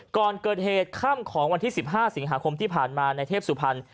ก่อนเกิดเหตุค่ำของวันที่๑๕สิงหาคมที่ผ่านมาในเทพสุพรรณ